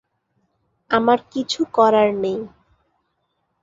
আমার কিছু করার নেই।